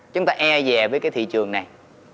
chúng ta e về với cái thị trường này